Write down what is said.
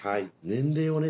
年齢をね